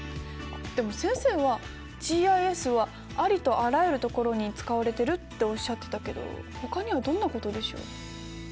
でも先生はＧＩＳはありとあらゆるところに使われてるっておっしゃってたけどほかにはどんなことでしょう？